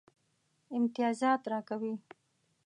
امتیازات راکوي.